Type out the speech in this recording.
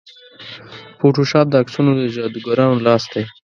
فوټوشاپ د عکسونو د جادوګرانو لاس دی.